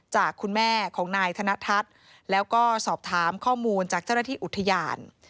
จากคุณแม่ของนายธนทัศน์แล้วก็สอบถามข้อมูลจากเจ้าหน้าที่อุทยาน